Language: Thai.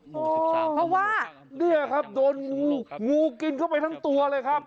โอ้โหเพราะว่าเนี่ยครับโดนงูงูกินเข้าไปทั้งตัวเลยครับ